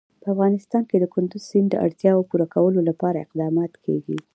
په افغانستان کې د کندز سیند د اړتیاوو پوره کولو لپاره اقدامات کېږي.